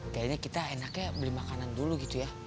kayaknya kita enaknya beli makanan dulu gitu ya